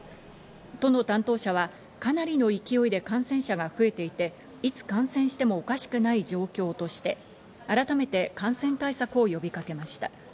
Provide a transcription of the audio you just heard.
都の担当者はかなりの勢いで感染者が増えていて、いつ感染してもおかしくない状況として、改めて感染対策を呼びかけました。